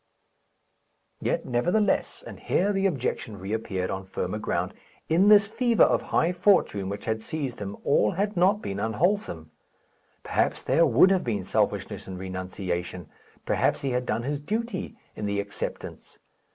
Yet nevertheless and here the objection reappeared on firmer ground in this fever of high fortune which had seized him all had not been unwholesome. Perhaps there would have been selfishness in renunciation; perhaps he had done his duty in the acceptance.